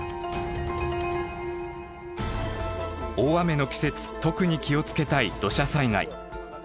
大雨の季節特に気を付けたい土砂災害。